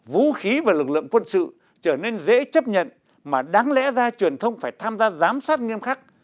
vũ khí và lực lượng quân sự trở nên dễ chấp nhận mà đáng lẽ ra truyền thông phải tham gia giám sát nghiêm khắc